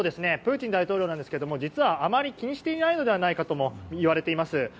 プーチン大統領ですが実は、あまり気にしていないのではないかともいわれています。